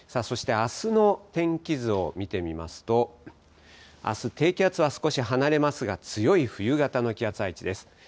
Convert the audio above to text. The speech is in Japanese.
そして、あすの天気図を見てみますと、あす、低気圧は少し離れますが、強い冬型の気圧配置です。